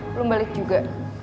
belum balik juga